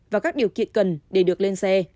và các điều kiện cần để được lên xe